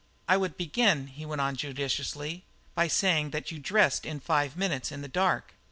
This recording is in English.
"I would begin," he went on judiciously, "by saying that you dressed in five minutes in the dark."